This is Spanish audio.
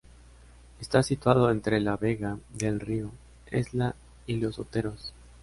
Está situado entre la vega del río Esla y los Oteros.